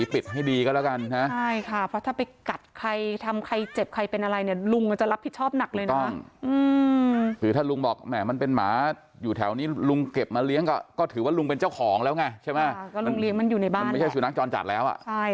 เป็นปริศนากจรจัดแล้ว